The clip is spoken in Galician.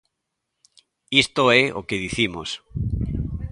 Isto é o que dicimos.